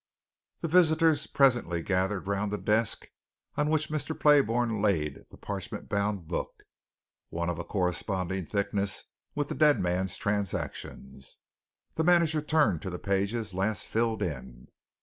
The visitors presently gathered round the desk on which Mr. Playbourne laid the parchment bound book one of a corresponding thickness with the dead man's transactions. The manager turned to the pages last filled in.